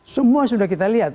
semua sudah kita lihat